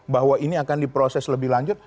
bahwa ini akan diproses lebih lanjut